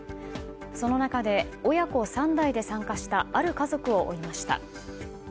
その中で、親子３代で参加したある家族を追いました。